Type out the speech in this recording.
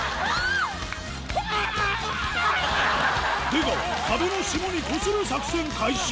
出川壁の霜にこする作戦開始